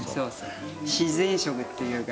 自然食というか。